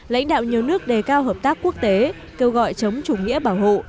lãnh đạo nhiều nước đề cao hợp tác quốc tế kêu gọi chống chủ nghĩa bảo hộ